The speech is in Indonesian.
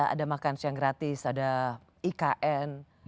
ada makanan yang gratis ada ikn